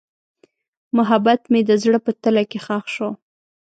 محبت مې د زړه په تله کې ښخ شو.